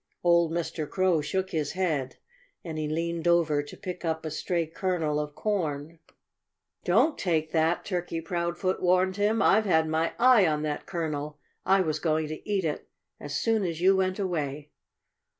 Old Mr. Crow shook his head. And he leaned over to pick up a stray kernel of corn. "Don't take that!" Turkey Proudfoot warned him. "I've had my eye on that kernel. I was going to eat it as soon as you went away."